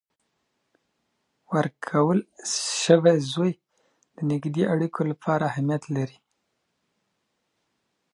ورکول سوی زوی د نږدې اړیکو لپاره اهمیت لري.